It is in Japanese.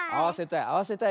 あわせたい。